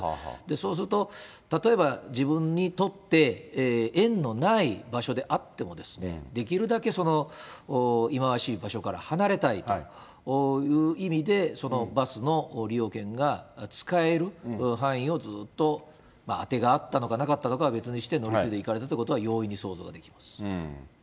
そうすると、例えば自分にとって縁のない場所であっても、できるだけ忌まわしい場所から離れたいという意味でバスの利用券が使える範囲をずっと当てがあったのか、なかったのかは別にして乗り継いでいかれたということは容易に想像ができます。